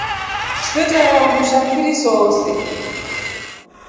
Swee twerara undusha mfiri sose.